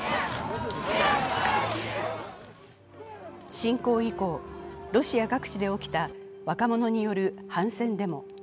侵攻以降、ロシア各地で起きた若者による反戦デモ。